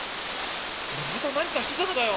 「俺また何かしてたのかよ。